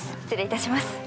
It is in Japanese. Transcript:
失礼いたします。